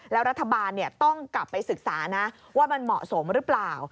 แล้วรัฐบาลต้องกลับไปศึกษานะว่ามันเหมาะสมหรือเปล่า